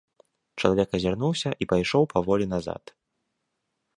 Чалавек азірнуўся і пайшоў паволі назад.